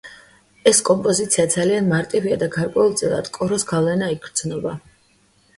ეს კომპოზიცია ძალიან მარტივია და გარკვეულწილად კოროს გავლენა იგრძნობა.